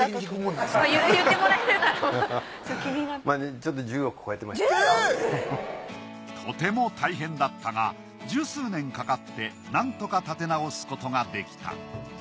ちょっととても大変だったが十数年かかってなんとか立て直すことができた。